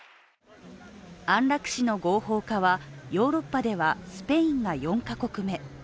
安楽死の合法化はヨーロッパではスペインが４カ国目。